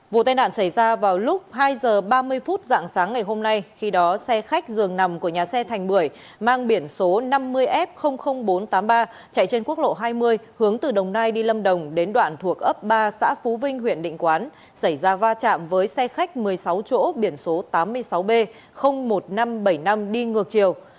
vụ tai nạn xảy ra vào lúc hai h ba mươi phút dạng sáng ngày hôm nay khi đó xe khách dường nằm của nhà xe thành bưởi mang biển số năm mươi f bốn trăm tám mươi ba chạy trên quốc lộ hai mươi hướng từ đồng nai đi lâm đồng đến đoạn thuộc ấp ba xã phú vinh huyện định quán xảy ra va chạm với xe khách một mươi sáu chỗ biển số tám mươi sáu b một nghìn năm trăm bảy mươi năm đi ngược chiều